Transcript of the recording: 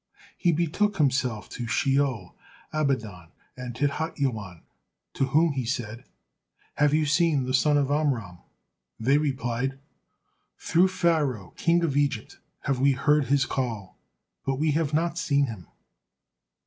He betook himself to Sheol, Abaddon, and Tit ha Yawen, to whom he said, "Have ye seen the son of Amram?" They replied: "Through Pharaoh, king of Egypt, have we heard his call, but we have not seen him."